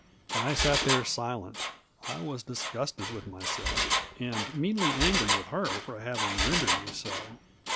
I 6at there silent. I was disgusted with myself, and meanly angry with her for having rendered me so.